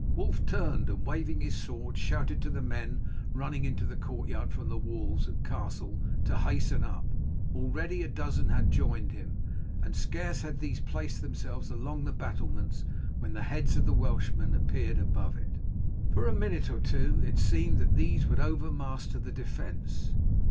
Wulf turned, and waving his sword shouted to the men running into the courtyard from the walls and castle to hasten up. Already a dozen had joined him, and scarce had these placed themselves along the battlements when the heads of the Welshmen appeared above it. For a minute or two it seemed that these would overmaster the defence.